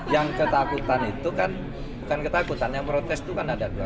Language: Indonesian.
yang ketakutan itu kan bukan ketakutan yang protes itu kan ada dua